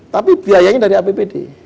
tapi biayanya dari apbd